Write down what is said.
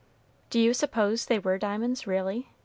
"Do you suppose they were diamonds, really?"